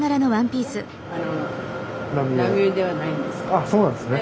あっそうなんですね。